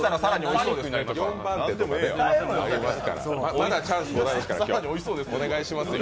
まだチャンスございますから、今日、お願いしますよ。